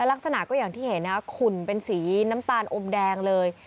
ลักษณะก็อย่างที่เห็นนะครับขุ่นเป็นสีน้ำตาลอมแดงเลย